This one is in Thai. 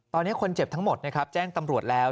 ตอนนี้คนเจ็บทั้งหมดนะครับแจ้งตำรวจแล้ว